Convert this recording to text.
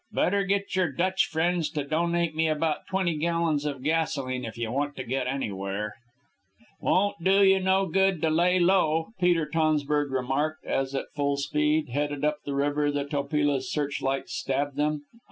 Better get your Dutch friends to donate me about twenty gallons of gasoline if you want to get anywhere." "Won't do you no good to lay low," Peter Tonsburg remarked, as, at full speed, headed up river, the Topila's searchlight stabbed them.